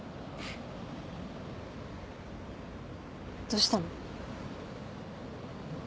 どうしたの？